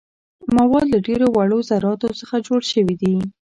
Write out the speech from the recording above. مواد له ډیرو وړو ذراتو څخه جوړ شوي دي.